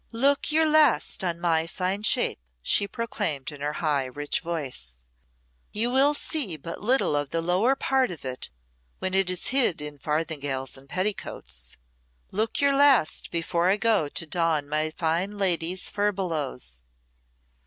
"Look your last on my fine shape," she proclaimed in her high, rich voice. "You will see but little of the lower part of it when it is hid in farthingales and petticoats. Look your last before I go to don my fine lady's furbelows."